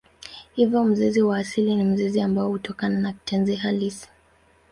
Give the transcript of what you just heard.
Hivyo mzizi wa asili ni mzizi ambao hutokana na kitenzi halisi.